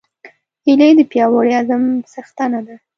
هیلۍ د پیاوړي عزم څښتنه ده